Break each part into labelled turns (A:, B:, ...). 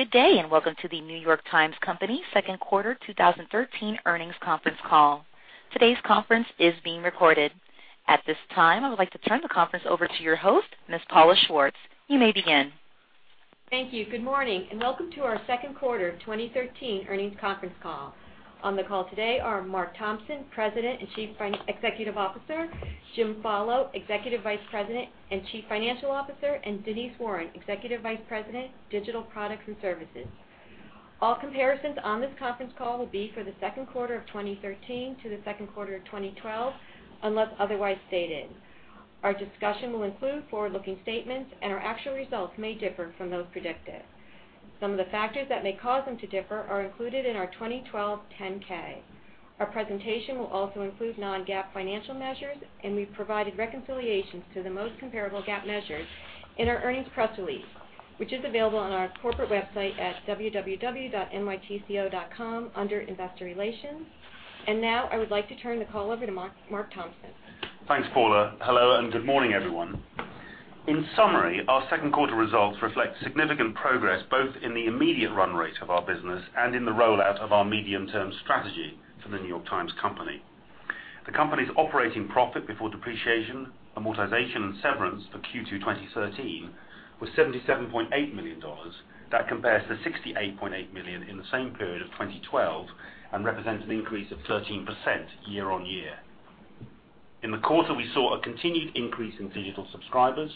A: Good day, and welcome to The New York Times Company second quarter 2013 earnings conference call. Today's conference is being recorded. At this time, I would like to turn the conference over to your host, Ms. Paula Schwartz. You may begin.
B: Thank you. Good morning, and welcome to our second quarter 2013 earnings conference call. On the call today are Mark Thompson, President and Chief Executive Officer, James Follo, Executive Vice President and Chief Financial Officer, and Denise Warren, Executive Vice President, Digital Products and Services. All comparisons on this conference call will be for the second quarter of 2013 to the second quarter of 2012, unless otherwise stated. Our discussion will include forward-looking statements, and our actual results may differ from those predicted. Some of the factors that may cause them to differ are included in our 2012 10-K. Our presentation will also include non-GAAP financial measures, and we've provided reconciliations to the most comparable GAAP measures in our earnings press release, which is available on our corporate website at www.nytco.com under Investor Relations. Now, I would like to turn the call over to Mark Thompson.
C: Thanks, Paula. Hello and good morning, everyone. In summary, our second quarter results reflect significant progress, both in the immediate run rate of our business and in the rollout of our medium-term strategy for The New York Times Company. The company's operating profit before depreciation, amortization, and severance for Q2 2013 was $77.8 million. That compares to $68.8 million in the same period of 2012 and represents an increase of 13% year-over-year. In the quarter, we saw a continued increase in digital subscribers,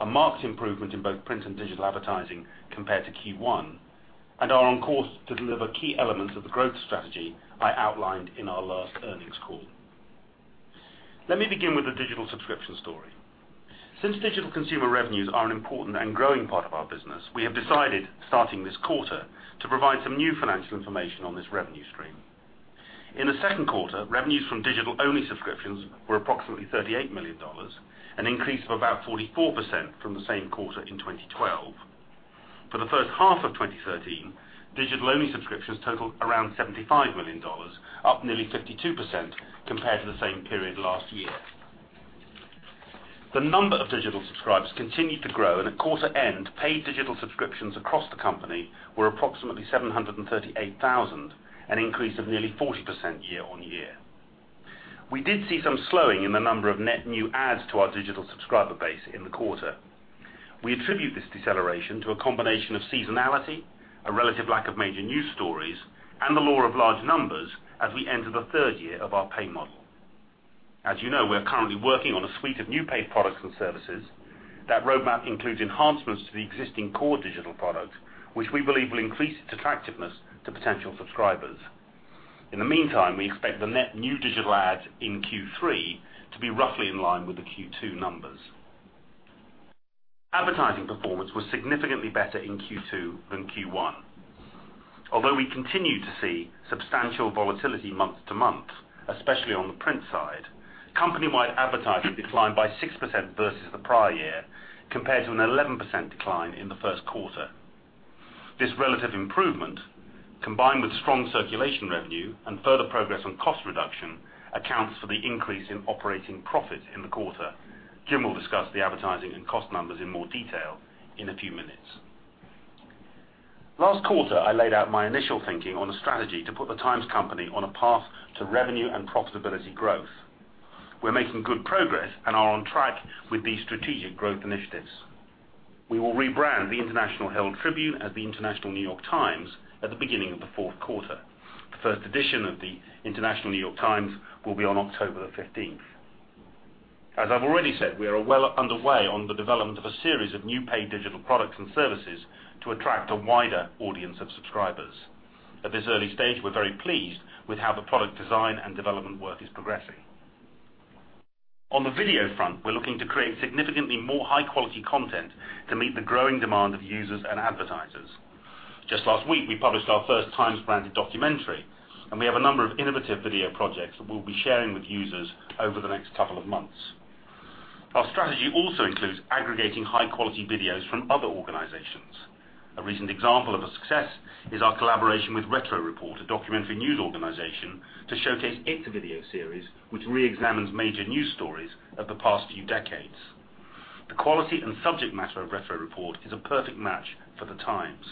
C: a marked improvement in both print and digital advertising compared to Q1, and are on course to deliver key elements of the growth strategy I outlined in our last earnings call. Let me begin with the digital subscription story. Since digital consumer revenues are an important and growing part of our business, we have decided, starting this quarter, to provide some new financial information on this revenue stream. In the second quarter, revenues from digital-only subscriptions were approximately $38 million, an increase of about 44% from the same quarter in 2012. For the first half of 2013, digital-only subscriptions totaled around $75 million, up nearly 52% compared to the same period last year. The number of digital subscribers continued to grow and at quarter end, paid digital subscriptions across the company were approximately 738,000, an increase of nearly 40% year-over-year. We did see some slowing in the number of net new adds to our digital subscriber base in the quarter. We attribute this deceleration to a combination of seasonality, a relative lack of major news stories, and the law of large numbers as we enter the third year of our pay model. As you know, we're currently working on a suite of new paid products and services. That roadmap includes enhancements to the existing core digital product, which we believe will increase its attractiveness to potential subscribers. In the meantime, we expect the net new digital adds in Q3 to be roughly in line with the Q2 numbers. Advertising performance was significantly better in Q2 than Q1. Although we continue to see substantial volatility month-to-month, especially on the print side, company-wide advertising declined by 6% versus the prior year, compared to an 11% decline in the first quarter. This relative improvement, combined with strong circulation revenue and further progress on cost reduction, accounts for the increase in operating profit in the quarter. Jim will discuss the advertising and cost numbers in more detail in a few minutes. Last quarter, I laid out my initial thinking on a strategy to put the Times Company on a path to revenue and profitability growth. We're making good progress and are on track with these strategic growth initiatives. We will rebrand the International Herald Tribune as the International New York Times at the beginning of the fourth quarter. The first edition of the International New York Times will be on October 15th. As I've already said, we are well underway on the development of a series of new paid digital products and services to attract a wider audience of subscribers. At this early stage, we're very pleased with how the product design and development work is progressing. On the video front, we're looking to create significantly more high-quality content to meet the growing demand of users and advertisers. Just last week, we published our first Times branded documentary, and we have a number of innovative video projects that we'll be sharing with users over the next couple of months. Our strategy also includes aggregating high-quality videos from other organizations. A recent example of a success is our collaboration with Retro Report, a documentary news organization, to showcase its video series, which reexamines major news stories of the past few decades. The quality and subject matter of Retro Report is a perfect match for The Times.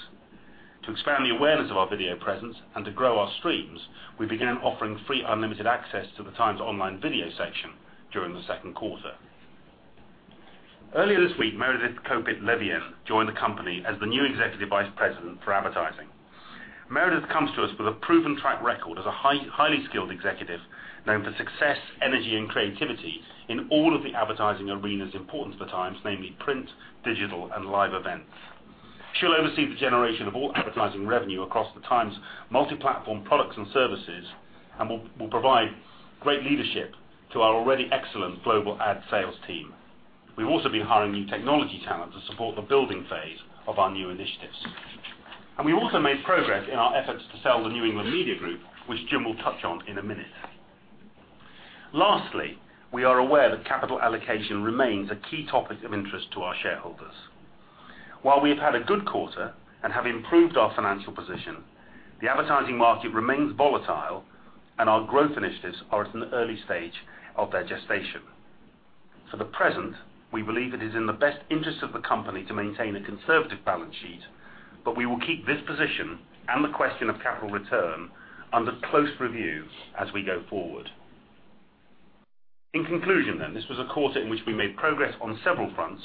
C: To expand the awareness of our video presence and to grow our streams, we began offering free unlimited access to The Times online video section during the second quarter. Earlier this week, Meredith Kopit Levien joined the company as the new Executive Vice President for advertising. Meredith comes to us with a proven track record as a highly skilled executive known for success, energy, and creativity in all of the advertising arenas important to The Times, namely print, digital, and live events. She'll oversee the generation of all advertising revenue across The Times' multi-platform products and services and will provide great leadership to our already excellent global ad sales team. We've also been hiring new technology talent to support the building Phase of our new initiatives. We also made progress in our efforts to sell the New England Media Group, which Jim will touch on in a minute. Lastly, we are aware that capital allocation remains a key topic of interest to our shareholders. While we have had a good quarter and have improved our financial position, the advertising market remains volatile and our growth initiatives are at an early stage of their gestation. For the present, we believe it is in the best interest of the company to maintain a conservative balance sheet, but we will keep this position and the question of capital return under close review as we go forward. In conclusion, this was a quarter in which we made progress on several fronts,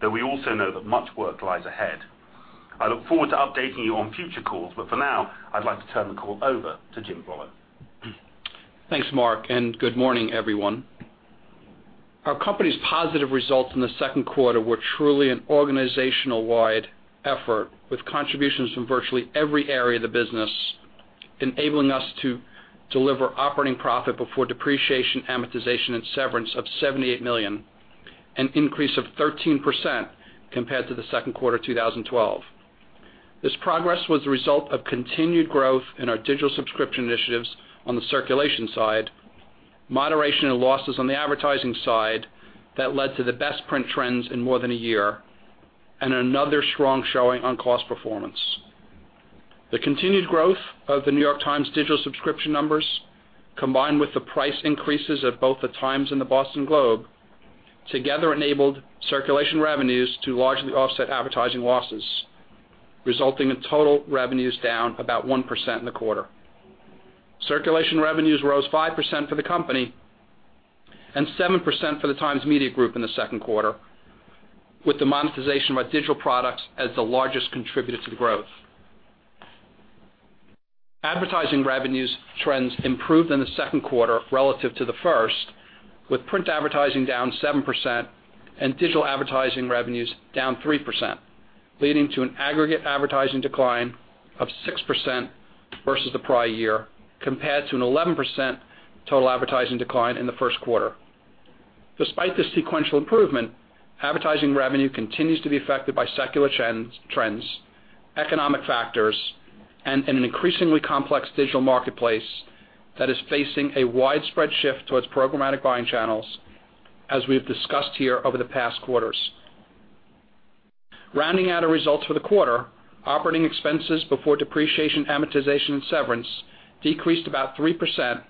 C: though we also know that much work lies ahead. I look forward to updating you on future calls, but for now, I'd like to turn the call over to James Follo.
D: Thanks, Mark, and good morning, everyone. Our company's positive results in the second quarter were truly an organization-wide effort with contributions from virtually every area of the business, enabling us to deliver operating profit before depreciation, amortization, and severance of $78 million, an increase of 13% compared to the second quarter 2012. This progress was the result of continued growth in our digital subscription initiatives on the circulation side, moderation in losses on the advertising side that led to the best print trends in more than a year, and another strong showing on cost performance. The continued growth of The New York Times digital subscription numbers, combined with the price increases of both The Times and The Boston Globe, together enabled circulation revenues to largely offset advertising losses, resulting in total revenues down about 1% in the quarter. Circulation revenues rose 5% for the company and 7% for the Times Media Group in the second quarter, with the monetization of our digital products as the largest contributor to the growth. Advertising revenue trends improved in the second quarter relative to the first, with print advertising down 7% and digital advertising revenues down 3%, leading to an aggregate advertising decline of 6% versus the prior year, compared to an 11% total advertising decline in the first quarter. Despite this sequential improvement, advertising revenue continues to be affected by secular trends, economic factors, and an increasingly complex digital marketplace that is facing a widespread shift towards programmatic buying channels, as we've discussed here over the past quarters. Rounding out our results for the quarter, operating expenses before depreciation, amortization, and severance decreased about 3%,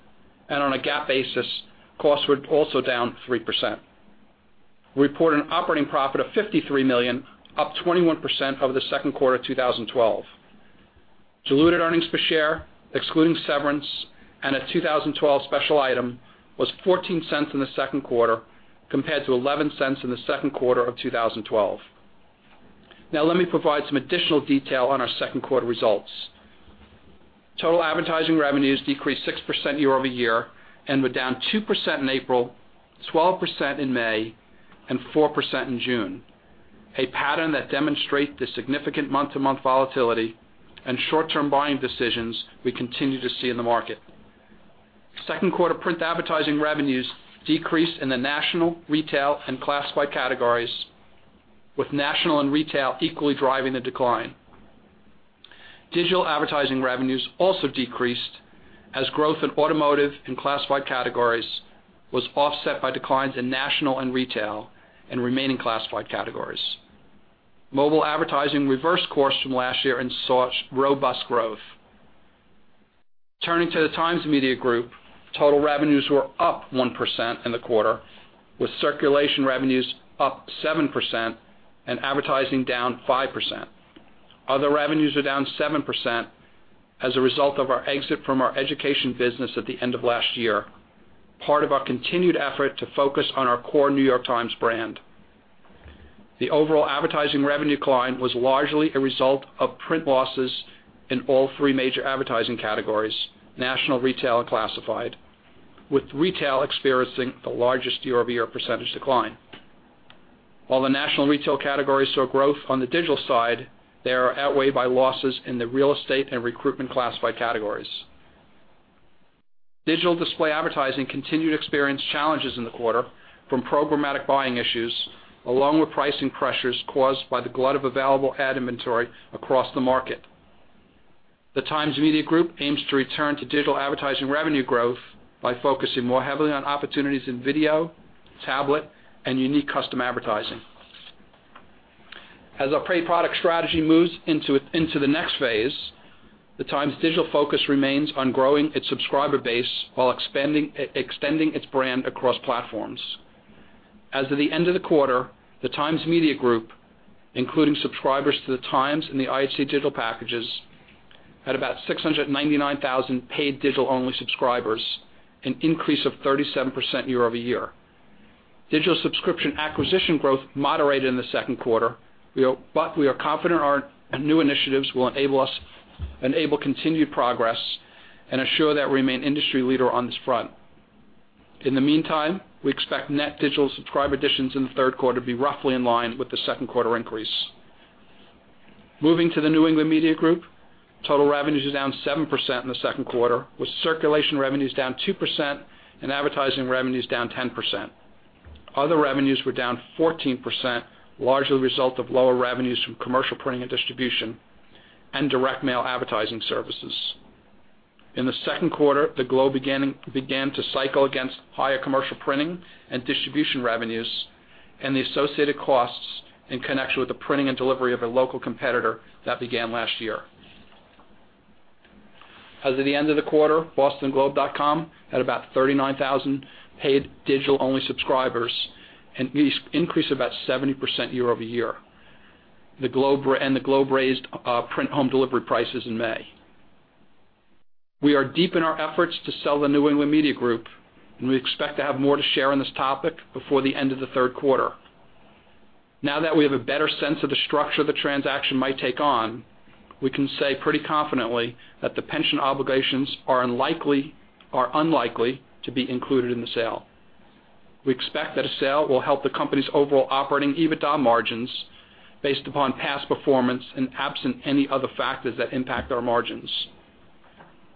D: and on a GAAP basis, costs were also down 3%. We report an operating profit of $53 million, up 21% over the second quarter 2012. Diluted earnings per share, excluding severance and a 2012 special item, was $0.14 in the second quarter, compared to $0.11 in the second quarter of 2012. Now let me provide some additional detail on our second quarter results. Total advertising revenues decreased 6% year-over-year and were down 2% in April, 12% in May and 4% in June, a pattern that demonstrate the significant month-to-month volatility and short-term buying decisions we continue to see in the market. Second quarter print advertising revenues decreased in the national, retail, and classified categories, with national and retail equally driving the decline. Digital advertising revenues also decreased, as growth in automotive and classified categories was offset by declines in national and retail and remaining classified categories. Mobile advertising reversed course from last year and saw robust growth. Turning to the Times Media Group, total revenues were up 1% in the quarter, with circulation revenues up 7% and advertising down 5%. Other revenues are down 7% as a result of our exit from our education business at the end of last year, part of our continued effort to focus on our core New York Times brand. The overall advertising revenue decline was largely a result of print losses in all three major advertising categories, national, retail, and classified, with retail experiencing the largest year-over-year percentage decline. While the national retail categories saw growth on the digital side, they are outweighed by losses in the real estate and recruitment classified categories. Digital display advertising continued to experience challenges in the quarter from programmatic buying issues, along with pricing pressures caused by the glut of available ad inventory across the market. Times Media Group aims to return to digital advertising revenue growth by focusing more heavily on opportunities in video, tablet, and unique custom advertising. As our pay product strategy moves into the next Phase, The Times' digital focus remains on growing its subscriber base while extending its brand across platforms. As of the end of the quarter, Times Media Group, including subscribers to The Times and the International New York Times digital packages, had about 699,000 paid digital-only subscribers, an increase of 37% year-over-year. Digital subscription acquisition growth moderated in the second quarter, but we are confident our new initiatives will enable continued progress and assure that we remain industry leader on this front. In the meantime, we expect net digital subscriber additions in the third quarter to be roughly in line with the second quarter increase. Moving to the New England Media Group, total revenues are down 7% in the second quarter, with circulation revenues down 2% and advertising revenues down 10%. Other revenues were down 14%, largely a result of lower revenues from commercial printing and distribution and direct mail advertising services. In the second quarter, the Globe began to cycle against higher commercial printing and distribution revenues and the associated costs in connection with the printing and delivery of a local competitor that began last year. As of the end of the quarter, bostonglobe.com had about 39,000 paid digital-only subscribers, an increase of about 70% year-over-year. The Globe raised print home delivery prices in May. We are deep in our efforts to sell the New England Media Group, and we expect to have more to share on this topic before the end of the third quarter. Now that we have a better sense of the structure the transaction might take on, we can say pretty confidently that the pension obligations are unlikely to be included in the sale. We expect that a sale will help the company's overall operating EBITDA margins based upon past performance and absent any other factors that impact our margins.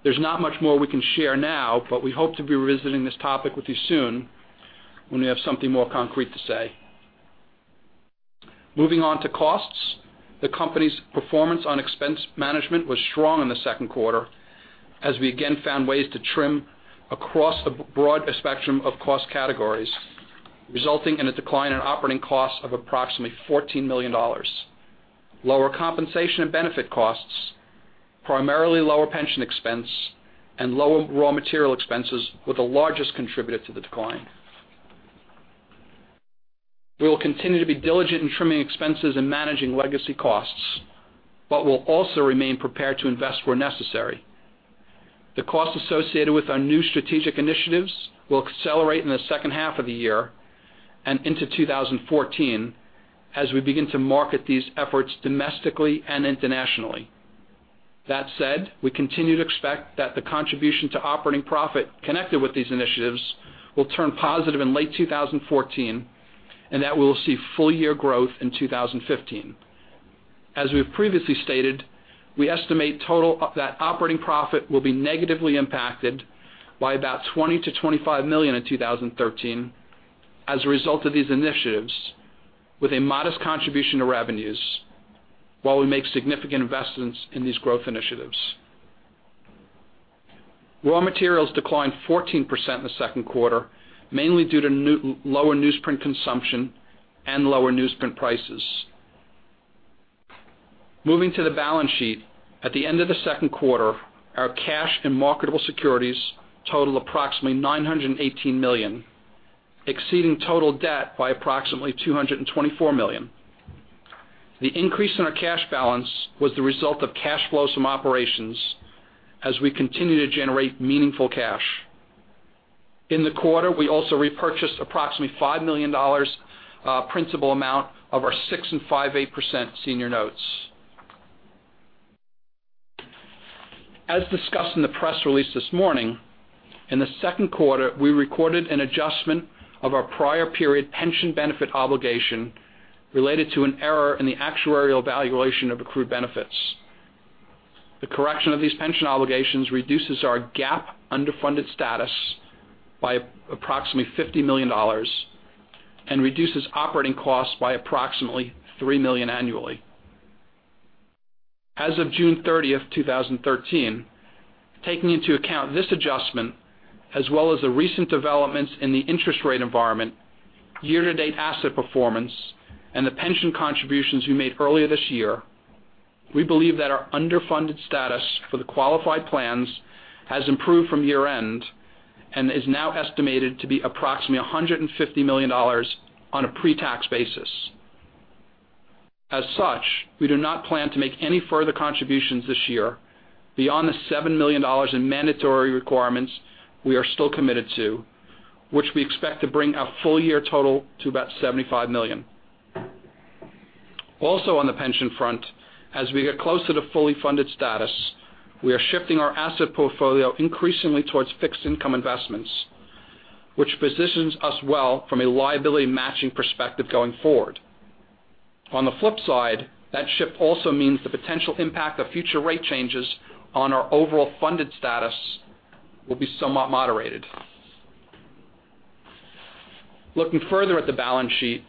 D: There's not much more we can share now, but we hope to be revisiting this topic with you soon when we have something more concrete to say. Moving on to costs. The company's performance on expense management was strong in the second quarter, as we again found ways to trim across a broad spectrum of cost categories, resulting in a decline in operating costs of approximately $14 million. Lower compensation and benefit costs, primarily lower pension expense, and lower raw material expenses were the largest contributor to the decline. We will continue to be diligent in trimming expenses and managing legacy costs, but we'll also remain prepared to invest where necessary. The cost associated with our new strategic initiatives will accelerate in the second half of the year and into 2014 as we begin to market these efforts domestically and internationally. That said, we continue to expect that the contribution to operating profit connected with these initiatives will turn positive in late 2014, and that we will see full-year growth in 2015. As we've previously stated, we estimate that operating profit will be negatively impacted by about $20 million-$25 million in 2013 as a result of these initiatives with a modest contribution to revenues, while we make significant investments in these growth initiatives. Raw materials declined 14% in the second quarter, mainly due to lower newsprint consumption and lower newsprint prices. Moving to the balance sheet. At the end of the second quarter, our cash and marketable securities total approximately $918 million, exceeding total debt by approximately $224 million. The increase in our cash balance was the result of cash flows from operations as we continue to generate meaningful cash. In the quarter, we also repurchased approximately $5 million principal amount of our 6.58% senior notes. As discussed in the press release this morning, in the second quarter, we recorded an adjustment of our prior period pension benefit obligation related to an error in the actuarial valuation of accrued benefits. The correction of these pension obligations reduces our GAAP underfunded status by approximately $50 million and reduces operating costs by approximately $3 million annually. As of June 30th, 2013, taking into account this adjustment as well as the recent developments in the interest rate environment, year-to-date asset performance, and the pension contributions we made earlier this year, we believe that our underfunded status for the qualified plans has improved from year-end and is now estimated to be approximately $150 million on a pre-tax basis. As such, we do not plan to make any further contributions this year beyond the $7 million in mandatory requirements we are still committed to, which we expect to bring our full-year total to about $75 million. Also on the pension front, as we get closer to fully funded status, we are shifting our asset portfolio increasingly towards fixed income investments, which positions us well from a liability matching perspective going forward. On the flip side, that shift also means the potential impact of future rate changes on our overall funded status will be somewhat moderated. Looking further at the balance sheet,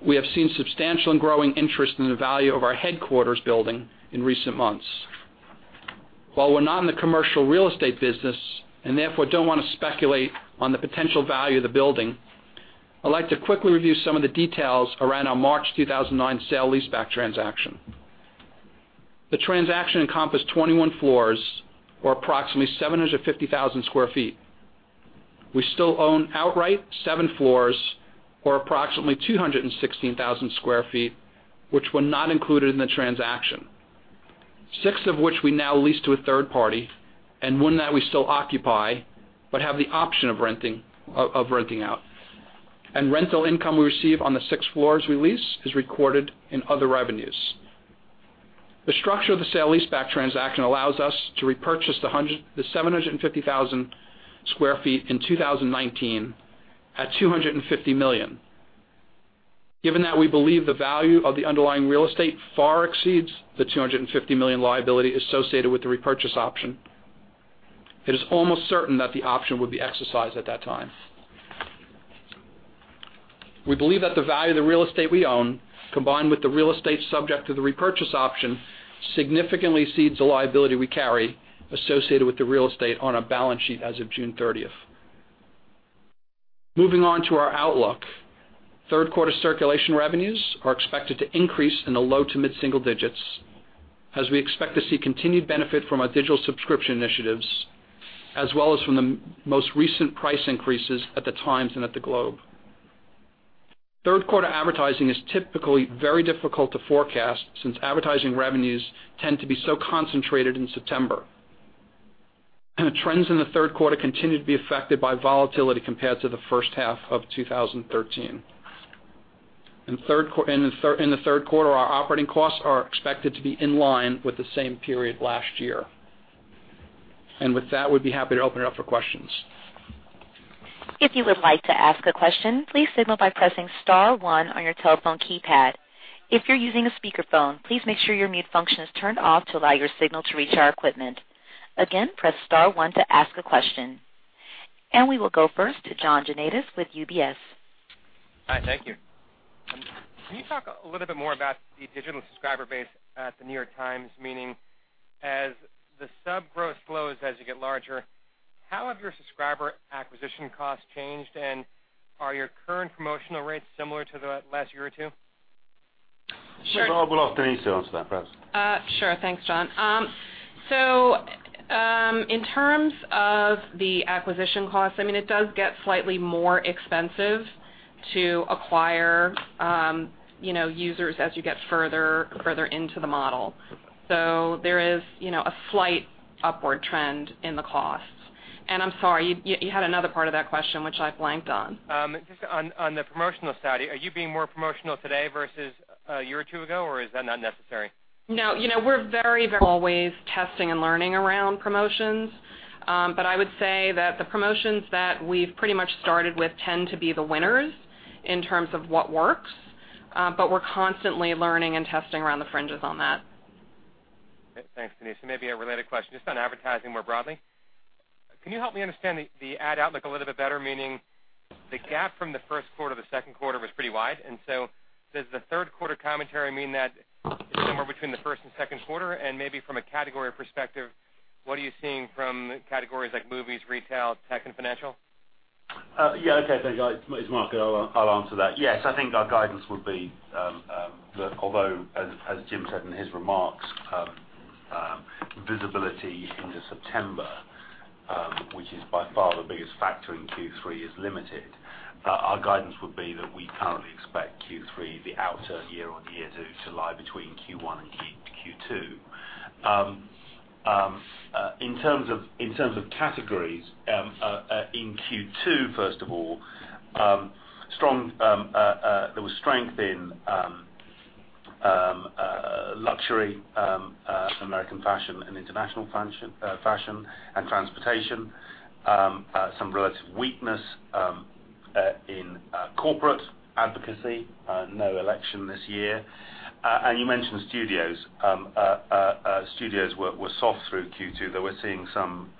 D: we have seen substantial and growing interest in the value of our headquarters building in recent months. While we're not in the commercial real estate business and therefore don't want to speculate on the potential value of the building, I'd like to quickly review some of the details around our March 2009 sale leaseback transaction. The transaction encompassed 21 floors or approximately 750,000 sq ft. We still own outright seven floors or approximately 216,000 sq ft, which were not included in the transaction, six of which we now lease to a third party and one that we still occupy but have the option of renting out. Rental income we receive on the six floors we lease is recorded in other revenues. The structure of the sale leaseback transaction allows us to repurchase the 750,000 sq ft in 2019 at $250 million. Given that we believe the value of the underlying real estate far exceeds the $250 million liability associated with the repurchase option, it is almost certain that the option would be exercised at that time. We believe that the value of the real estate we own, combined with the real estate subject to the repurchase option, significantly exceeds the liability we carry associated with the real estate on our balance sheet as of June 30th. Moving on to our outlook. Third quarter circulation revenues are expected to increase in the low- to mid-single digits as we expect to see continued benefit from our digital subscription initiatives, as well as from the most recent price increases at the Times and at the Globe. Third-quarter advertising is typically very difficult to forecast since advertising revenues tend to be so concentrated in September. Trends in the third quarter continue to be affected by volatility compared to the first half of 2013. In the third quarter, our operating costs are expected to be in line with the same period last year. With that, we'd be happy to open it up for questions.
A: If you would like to ask a question, please signal by pressing Star one on your telephone keypad. If you're using a speakerphone, please make sure your mute function is turned off to allow your signal to reach our equipment. Again, press Star one to ask a question. We will go first to John Janedis with UBS.
E: Hi, thank you. Can you talk a little bit more about the digital subscriber base at The New York Times, meaning as the sub growth slows as you get larger, how have your subscriber acquisition costs changed? Are your current promotional rates similar to the last year or two?
C: Sure. John, we'll ask Denise to answer that first.
F: Sure. Thanks, John. In terms of the acquisition costs, it does get slightly more expensive to acquire users as you get further into the model. There is a slight upward trend in the costs. I'm sorry, you had another part of that question, which I blanked on.
E: Just on the promotional side, are you being more promotional today versus a year or two ago, or is that not necessary?
F: No, we're always testing and learning around promotions. I would say that the promotions that we've pretty much started with tend to be the winners in terms of what works, but we're constantly learning and testing around the fringes on that.
E: Thanks, Denise. Maybe a related question, just on advertising more broadly. Can you help me understand the ad outlook a little bit better, meaning the gap from the first quarter to the second quarter was pretty wide, and so does the third quarter commentary mean that it's somewhere between the first and second quarter? Maybe from a category perspective, what are you seeing from categories like movies, retail, tech, and financial?
C: Yeah. Okay. Thanks. It's Mark. I'll answer that. Yes, I think our guidance would be, although, as Jim said in his remarks, visibility into September, which is by far the biggest factor in Q3, is limited. Our guidance would be that we currently expect Q3, the outturn year-on-year, to lie between Q1 and Q2. In terms of categories in Q2, first of all, there was strength in luxury, American fashion and international fashion, and transportation. Some relative weakness in corporate advocacy. No election this year. You mentioned studios. Studios were soft through Q2, though we're seeing some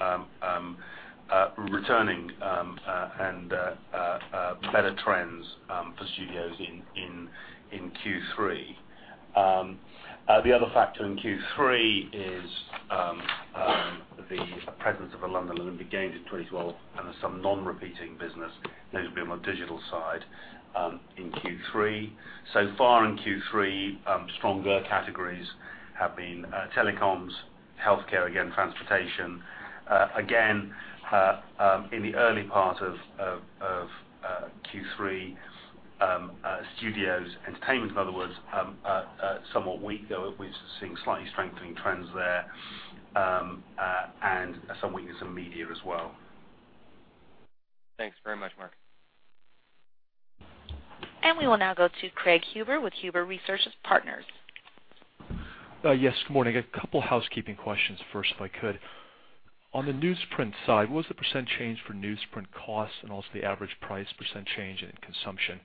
C: returning and better trends for studios in Q3. The other factor in Q3 is the presence of the London Olympic Games in 2012 and some non-repeating business, notably on the digital side in Q3. So far in Q3, stronger categories have been telecoms, healthcare, again, transportation. Again, in the early part of Q3, studios, entertainment, in other words, somewhat weak, though we're seeing slightly strengthening trends there, and some weakness in media as well.
E: Thanks very much, Mark.
A: We will now go to Craig Huber with Huber Research Partners.
G: Yes, good morning. A couple housekeeping questions first, if I could. On the newsprint side, what was the percent change for newsprint costs and also the average price percent change in consumption?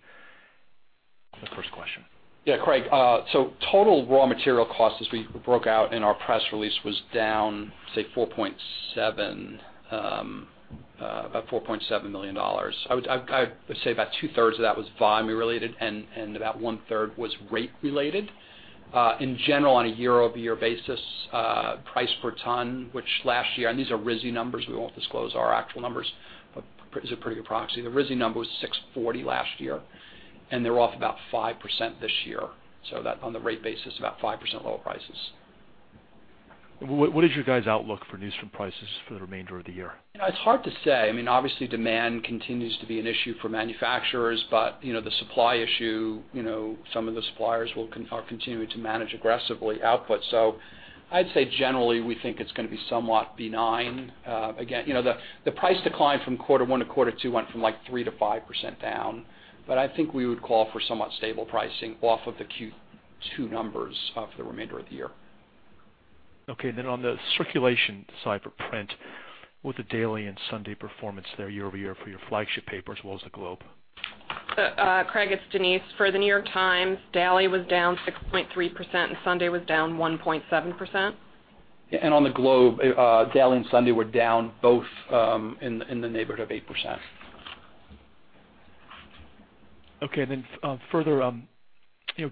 G: That's the first question.
D: Yeah, Craig. Total raw material costs as we broke out in our press release was down, say, about $4.7 million. I would say about two-thirds of that was volume related and about 1/3was rate related. In general, on a year-over-year basis, price per ton, which last year and these are RISI numbers. We won't disclose our actual numbers, but it's a pretty good proxy. The RISI number was 640 last year, and they're off about 5% this year, so that on the rate basis, about 5% lower prices.
G: What is your guys' outlook for newsprint prices for the remainder of the year?
D: It's hard to say. Obviously, demand continues to be an issue for manufacturers, but the supply issue, some of the suppliers are continuing to manage aggressively output. I'd say generally, we think it's going to be somewhat benign. Again, the price decline from quarter one to quarter two went from like 3%-5% down, but I think we would call for somewhat stable pricing off of the Q2 numbers for the remainder of the year.
G: Okay, on the circulation side for print, what was the daily and Sunday performance there year over year for your flagship paper as well as the Globe?
F: Craig, it's Denise. For The New York Times, daily was down 6.3% and Sunday was down 1.7%.
C: Yeah, on the Globe, daily and Sunday were down both in the neighborhood of 8%.
G: Okay. Further,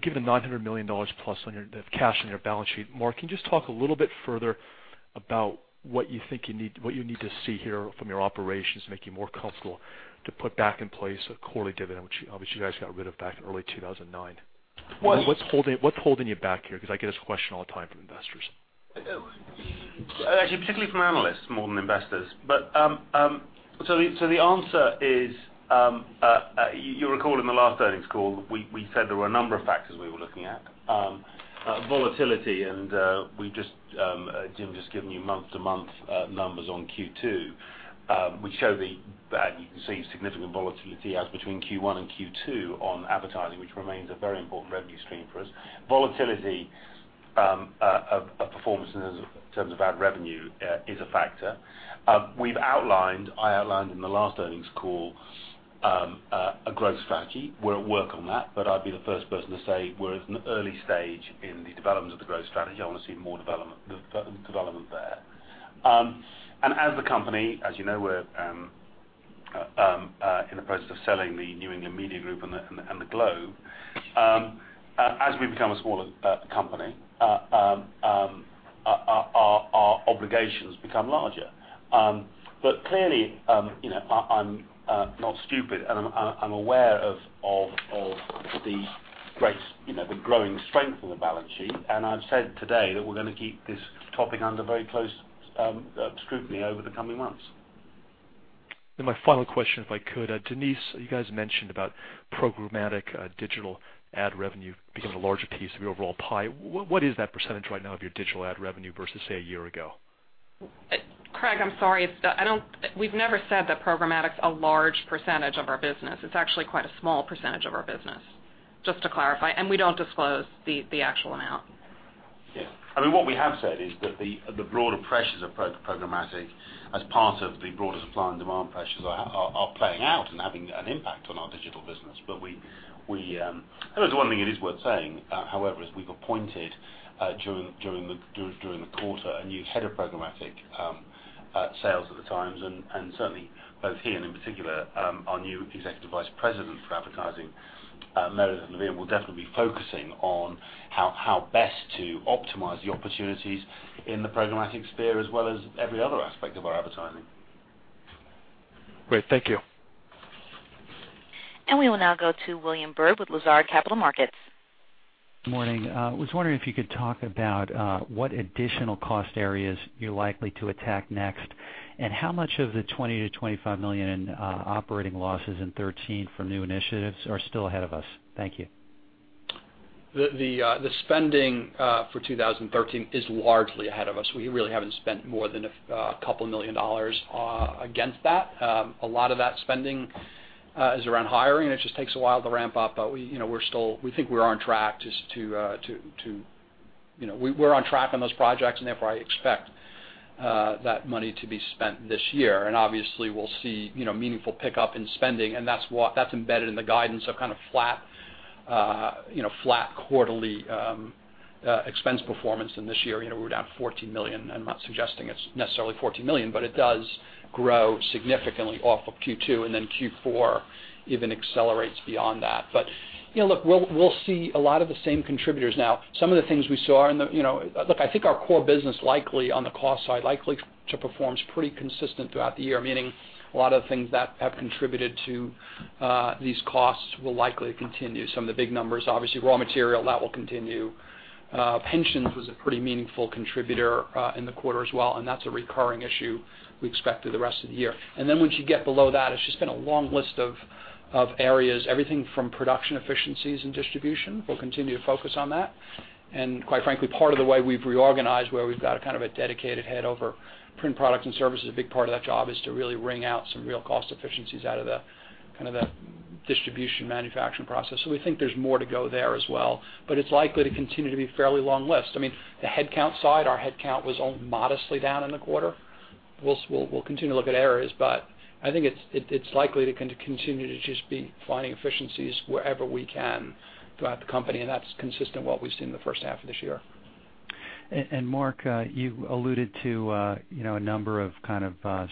G: given the $900 million plus of cash on your balance sheet, Mark, can you just talk a little bit further about what you think you need to see here from your operations to make you more comfortable to put back in place a quarterly dividend, which obviously you guys got rid of back in early 2009? What's holding you back here? Because I get this question all the time from investors.
C: Actually, particularly from analysts more than investors. The answer is, you'll recall in the last earnings call, we said there were a number of factors we were looking at. Volatility, and Jim's just given you month-to-month numbers on Q2, which show the significant volatility as between Q1 and Q2 on advertising, which remains a very important revenue stream for us. Volatility of performance in terms of ad revenue is a factor. I outlined in the last earnings call, a growth strategy. We're at work on that, but I'd be the first person to say we're at an early stage in the development of the growth strategy. I want to see more development there. As a company, as you know, we're in the process of selling the New England Media Group and The Globe. As we become a smaller company, our obligations become larger. Clearly, I'm not stupid, and I'm aware of the growing strength on the balance sheet, and I've said today that we're going to keep this topic under very close scrutiny over the coming months.
G: My final question, if I could. Denise, you guys mentioned about programmatic digital ad revenue becoming a larger piece of your overall pie. What is that percentage right now of your digital ad revenue versus, say, a year ago?
F: Craig, I'm sorry. We've never said that programmatic's a large percentage of our business. It's actually quite a small percentage of our business, just to clarify, and we don't disclose the actual amount.
C: Yeah. What we have said is that the broader pressures of programmatic as part of the broader supply and demand pressures are playing out and having an impact on our digital business. There is one thing it is worth saying, however, is we've appointed, during the quarter, a new head of programmatic sales at the Times, and certainly both he and in particular, our new Executive Vice President for Advertising, Meredith Levien, will definitely be focusing on how best to optimize the opportunities in the programmatic sphere, as well as every other aspect of our advertising.
G: Great. Thank you.
A: We will now go to William Bird with Lazard Capital Markets.
H: Morning. I was wondering if you could talk about what additional cost areas you're likely to attack next, and how much of the $20 million-$25 million in operating losses in 2013 from new initiatives are still ahead of us. Thank you.
D: The spending for 2013 is largely ahead of us. We really haven't spent more than a couple million dollars against that. A lot of that spending is around hiring, and it just takes a while to ramp up. We think we are on track on those projects, and therefore, I expect that money to be spent this year. Obviously, we'll see meaningful pickup in spending, and that's embedded in the guidance of kind of flat quarterly expense performance in this year. We're down $14 million. I'm not suggesting it's necessarily $14 million, but it does grow significantly off of Q2, and then Q4 even accelerates beyond that. Look, we'll see a lot of the same contributors. Now, some of the things we saw. Look, I think our core business, on the cost side, likely to perform pretty consistent throughout the year, meaning a lot of the things that have contributed to these costs will likely continue. Some of the big numbers, obviously, raw material, that will continue. Pensions was a pretty meaningful contributor in the quarter as well, and that's a recurring issue we expect through the rest of the year. Then once you get below that, it's just been a long list of areas. Everything from production efficiencies and distribution, we'll continue to focus on that. Quite frankly, part of the way we've reorganized, where we've got kind of a dedicated head over print products and services, a big part of that job is to really wring out some real cost efficiencies out of the distribution manufacturing process. We think there's more to go there as well. It's likely to continue to be a fairly long list. The headcount side, our headcount was only modestly down in the quarter. We'll continue to look at areas, but I think it's likely to continue to just be finding efficiencies wherever we can throughout the company, and that's consistent with what we've seen in the first half of this year.
H: Mark, you alluded to a number of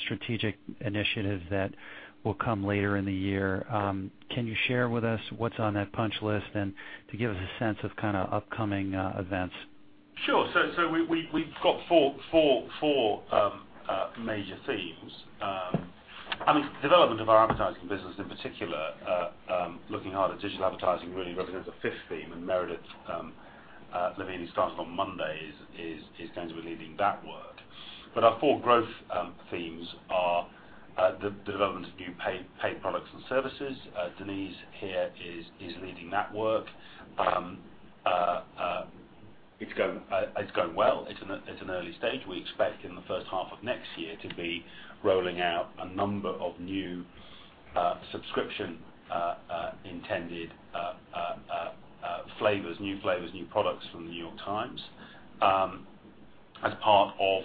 H: strategic initiatives that will come later in the year. Can you share with us what's on that punch list and to give us a sense of kind of upcoming events?
C: Sure. We've got four major themes. Development of our advertising business in particular, looking hard at digital advertising really represents a fifth theme, and Meredith Levien, who starts on Monday, is going to be leading that work. Our four growth themes are the development of new paid products and services. Denise here is leading that work. It's going well. It's an early stage. We expect in the first half of next year to be rolling out a number of new subscription-intended new flavors, new products from The New York Times as part of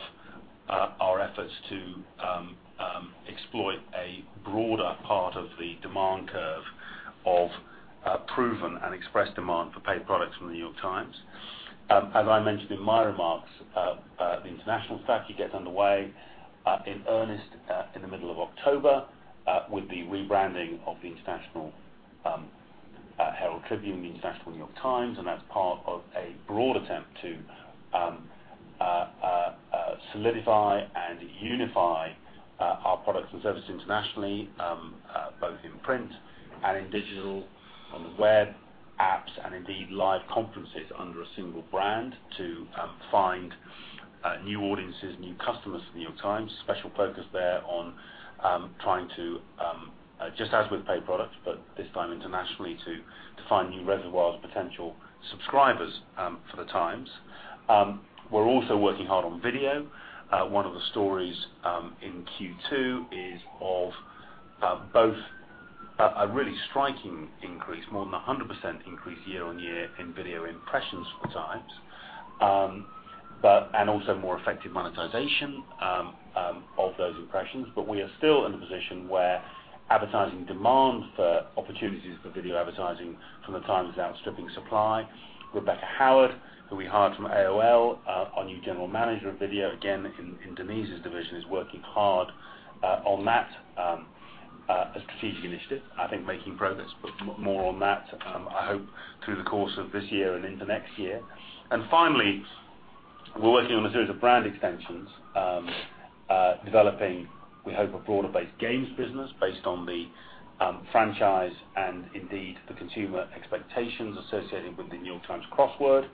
C: our efforts to exploit a broader part of the demand curve of proven and expressed demand for paid products from The New York Times. As I mentioned in my remarks, the international strategy gets underway in earnest in the middle of October with the rebranding of the International Herald Tribune, the International New York Times, and that's part of a broad attempt to solidify and unify our products and services internationally, both in print and in digital, on the web, apps, and indeed, live conferences under a single brand to find new audiences, new customers for New York Times. Special focus there on trying to, just as with pay products, but this time internationally, to find new reservoirs of potential subscribers for the Times. We're also working hard on video. One of the stories in Q2 is of both a really striking increase, more than 100% increase year-over-year in video impressions for the Times, and also more effective monetization of those impressions. We are still in a position where advertising demand for opportunities for video advertising from the Times is outstripping supply. Rebecca Howard, who we hired from AOL, our new General Manager of Video, again, in Denise's division, is working hard on that as strategic initiatives, I think making progress, but more on that, I hope through the course of this year and into next year. Finally, we're working on a series of brand extensions, developing, we hope, a broader-based games business based on the franchise and indeed the consumer expectations associated with the New York Times Crossword,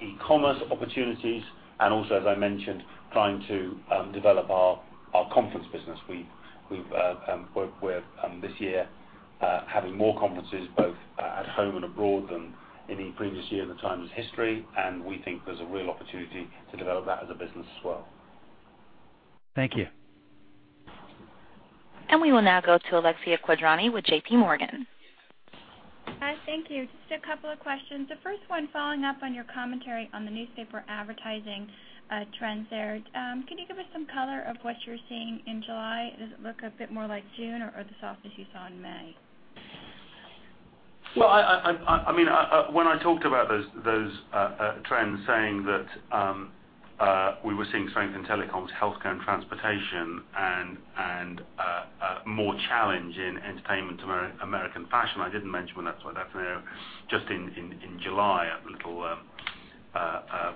C: e-commerce opportunities, and also, as I mentioned, trying to develop our conference business. We're, this year, having more conferences both at home and abroad than any previous year in the Times' history, and we think there's a real opportunity to develop that as a business as well.
H: Thank you.
A: We will now go to Alexia Quadrani with JP Morgan.
I: Hi, thank you. Just a couple of questions. The first one following up on your commentary on the newspaper advertising trends there. Can you give us some color on what you're seeing in July? Does it look a bit more like June or the softness you saw in May?
C: Well, when I talked about those trends, saying that we were seeing strength in telecoms, healthcare, and transportation, and more challenge in entertainment, American fashion, I didn't mention that's just in July, a little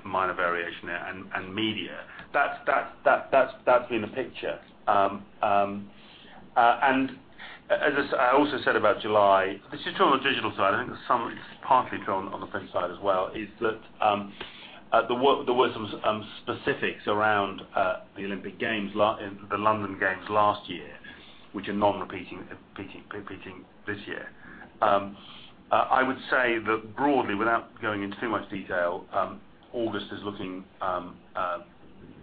C: minor variation there, and media. That's been the picture. As I also said about July, this is true on the digital side, I think it's partly true on the print side as well, is that there were some specifics around the Olympic Games, the London Games last year, which are not repeating this year. I would say that broadly, without going into too much detail, August is looking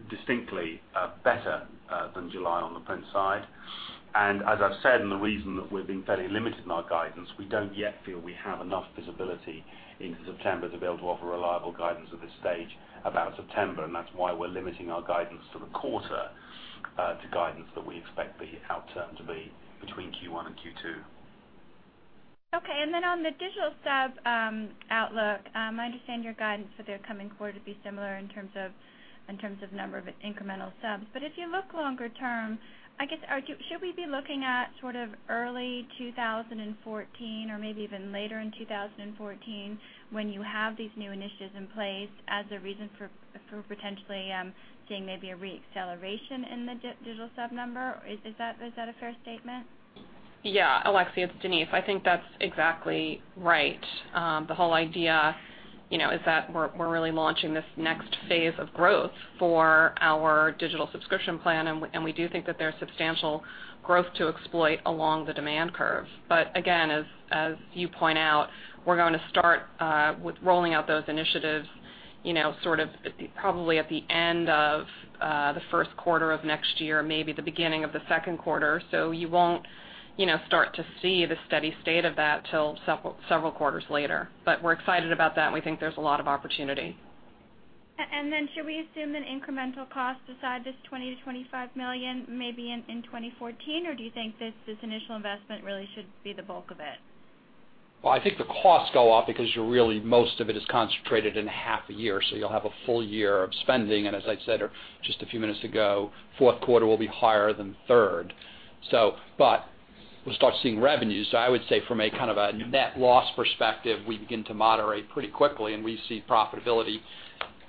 C: distinctly better than July on the print side. As I've said, and the reason that we've been fairly limited in our guidance, we don't yet feel we have enough visibility into September to be able to offer reliable guidance at this stage about September, and that's why we're limiting our guidance to the quarter to guidance that we expect the outturn to be between Q1 and Q2.
I: Okay, on the digital sub outlook, I understand your guidance for the coming quarter to be similar in terms of number of incremental subs. If you look longer term, should we be looking at early 2014 or maybe even later in 2014 when you have these new initiatives in place as a reason for potentially seeing maybe a re-acceleration in the digital sub number? Is that a fair statement?
F: Yeah, Alexia, it's Denise. I think that's exactly right. The whole idea is that we're really launching this next Phase of growth for our digital subscription plan, and we do think that there's substantial growth to exploit along the demand curve. But again, as you point out, we're going to start with rolling out those initiatives probably at the end of the first quarter of next year, maybe the beginning of the second quarter. You won't start to see the steady state of that till several quarters later. We're excited about that, and we think there's a lot of opportunity.
I: Should we assume an incremental cost aside from this $20-25 million maybe in 2014, or do you think this initial investment really should be the bulk of it?
D: Well, I think the costs go up because most of it is concentrated in half a year, so you'll have a full year of spending, and as I said just a few minutes ago, fourth quarter will be higher than third. We'll start seeing revenues. I would say from a kind of a net loss perspective, we begin to moderate pretty quickly, and we see profitability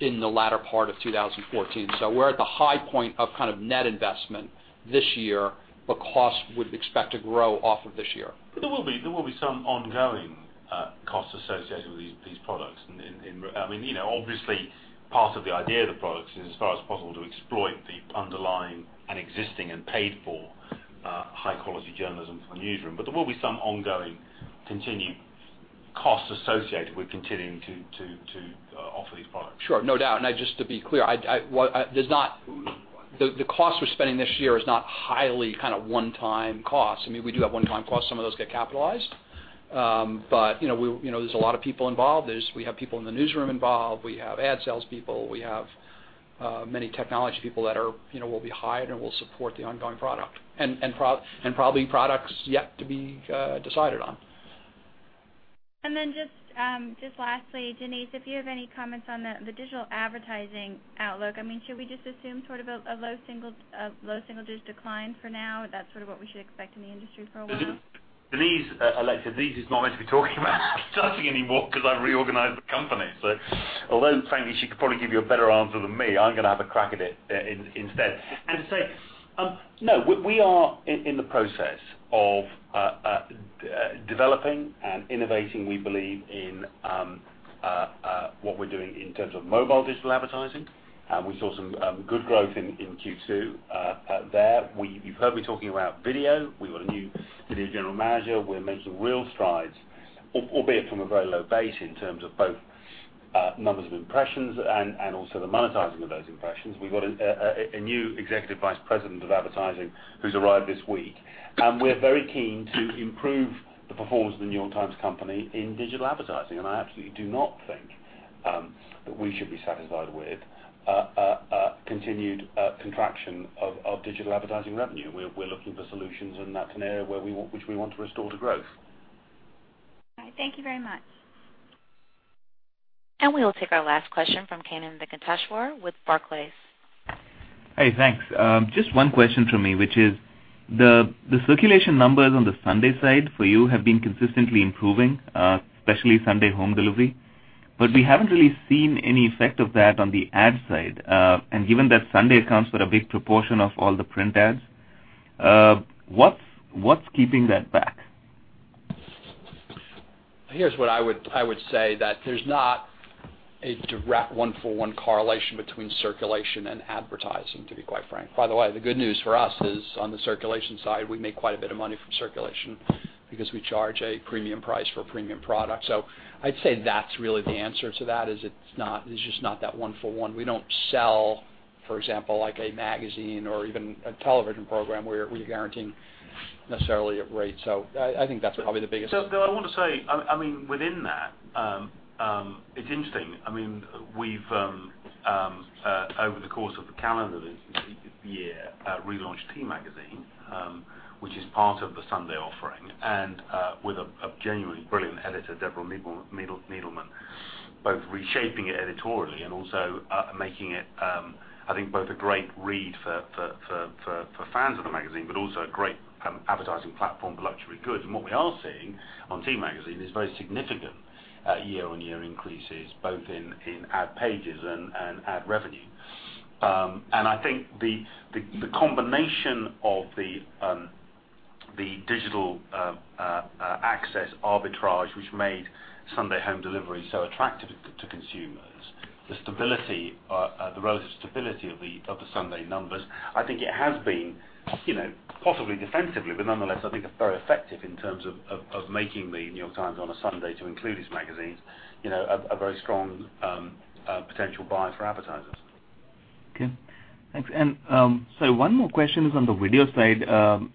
D: in the latter part of 2014. We're at the high point of net investment this year, but we would expect costs to grow from this year.
C: There will be some ongoing costs associated with these products. Obviously, part of the idea of the products is as far as possible to exploit the underlying and existing and paid for high quality journalism from the newsroom. There will be some ongoing continued costs associated with continuing to offer these products.
D: Sure, no doubt. Just to be clear, the cost we're spending this year is not highly one-time cost. We do have one-time cost. Some of those get capitalized. There's a lot of people involved. We have people in the newsroom involved. We have ad sales people. We have many technology people will be hired and will support the ongoing product, and probably products yet to be decided on.
I: Just lastly, Denise, if you have any comments on the digital advertising outlook? Should we just assume sort of a low single-digit% decline for now? That's sort of what we should expect in the industry for a while.
C: Alexia, Denise is not meant to be talking about advertising anymore because I've reorganized the company. Although frankly, she could probably give you a better answer than me, I'm going to have a crack at it instead. Say, no, we are in the process of developing and innovating, we believe in what we're doing in terms of mobile digital advertising. We saw some good growth in Q2 there. You've heard me talking about video. We've got a new video General Manager. We're making real strides, albeit from a very low base in terms of both numbers of impressions and also the monetizing of those impressions. We've got a new Executive Vice President of advertising who's arrived this week, and we're very keen to improve the performance of The New York Times Company in digital advertising. I absolutely do not think that we should be satisfied with a continued contraction of digital advertising revenue. We're looking for solutions, and that's an area which we want to restore to growth.
I: All right. Thank you very much.
A: We will take our last question from Kannan Venkateshwar with Barclays.
J: Hey, thanks. Just one question from me, which is the circulation numbers on the Sunday side for you have been consistently improving, especially Sunday home delivery. We haven't really seen any effect of that on the ad side. Given that Sunday accounts for a big proportion of all the print ads, what's keeping that back?
D: Here's what I would say, that there's not a direct one-for-one correlation between circulation and advertising, to be quite frank. By the way, the good news for us is on the circulation side, we make quite a bit of money from circulation because we charge a premium price for a premium product. I'd say that's really the answer to that, is it's just not that one for one. We don't sell, for example, like a magazine or even a television program where we're guaranteeing necessarily a rate. I think that's probably the biggest.
C: Though I want to say within that, it's interesting. We've, over the course of the calendar year, relaunched T Magazine, which is part of the Sunday offering, and with a genuinely brilliant editor, Deborah Needleman, both reshaping it editorially and also making it, I think both a great read for fans of the magazine, but also a great advertising platform for luxury goods. What we are seeing on T Magazine is very significant year-on-year increases, both in ad pages and ad revenue. I think the combination of the digital access arbitrage, which made Sunday home delivery so attractive to consumers, the relative stability of the Sunday numbers, I think it has been possibly defensively, but nonetheless, I think it's very effective in terms of making The New York Times on a Sunday to include its magazines, a very strong potential buyer for advertisers.
J: Okay, thanks. Sorry, one more question is on the video side.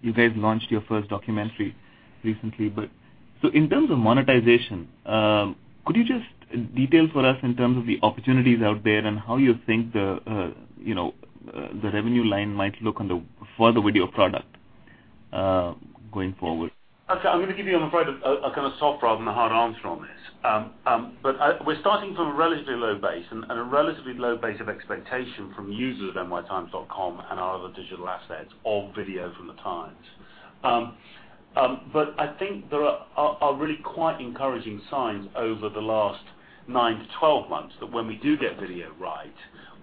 J: You guys launched your first documentary recently. In terms of monetization, could you just detail for us in terms of the opportunities out there and how you think the revenue line might look for the video product going forward?
C: I'm going to give you, I'm afraid, a kind of soft rather than a hard answer on this. We're starting from a relatively low base of expectation from users of nytimes.com and our other digital assets of video from The Times. I think there are really quite encouraging signs over the last nine-12 months that when we do get video right,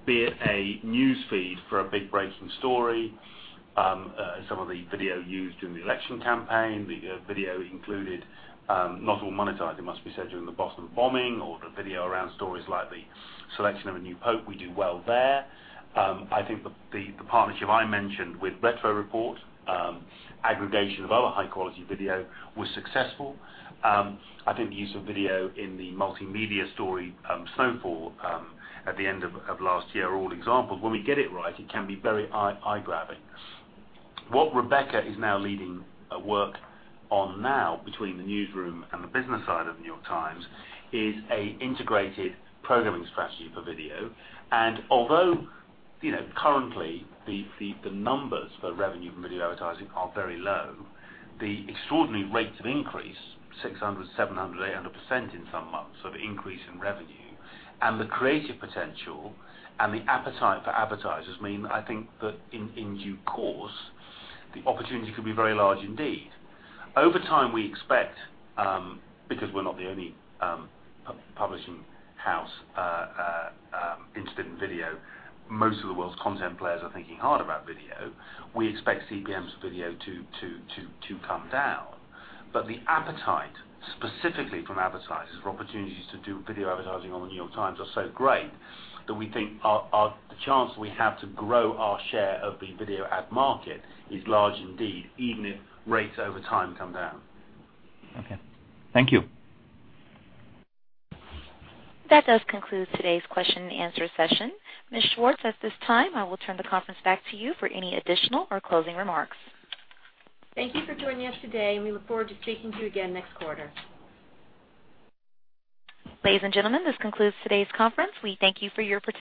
C: be it a news feed for a big breaking story, some of the video used during the election campaign, the video included, not all monetized it must be said, during the Boston bombing or the video around stories like the selection of a new pope, we do well there. I think the partnership I mentioned with Retro Report, aggregation of other high-quality video was successful. I think the use of video in the multimedia story, Snow Fall, at the end of last year are all examples. When we get it right, it can be very eye-grabbing. What Rebecca is now leading a work on now between the newsroom and the business side of New York Times is an integrated programming strategy for video. Although currently the numbers for revenue from video advertising are very low, the extraordinary rates of increase, 600%, 700%, 800% in some months of increase in revenue and the creative potential and the appetite for advertisers mean, I think that in due course, the opportunity could be very large indeed. Over time, we expect, because we're not the only publishing house interested in video, most of the world's content players are thinking hard about video. We expect CPMs video to come down. The appetite specifically from advertisers for opportunities to do video advertising on The New York Times are so great that we think the chance that we have to grow our share of the video ad market is large indeed, even if rates over time come down.
J: Okay. Thank you.
A: That does conclude today's question and answer session. Ms. Schwartz, at this time, I will turn the conference back to you for any additional or closing remarks.
B: Thank you for joining us today, and we look forward to speaking to you again next quarter.
A: Ladies and gentlemen, this concludes today's conference. We thank you for your participation.